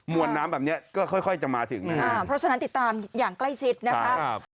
วนน้ำแบบนี้ก็ค่อยจะมาถึงนะฮะเพราะฉะนั้นติดตามอย่างใกล้ชิดนะครับ